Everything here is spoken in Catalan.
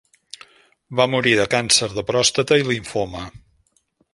Va morir de càncer de pròstata i limfoma.